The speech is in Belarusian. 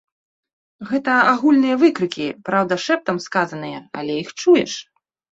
Гэта агульныя выкрыкі, праўда, шэптам сказаныя, але іх чуеш.